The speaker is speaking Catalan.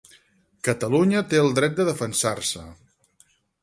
Catalunya té el dret de defensar-se